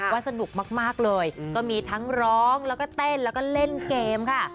สนุกมากเลยก็มีทั้งร้องแล้วก็เต้นแล้วก็เล่นเกมค่ะ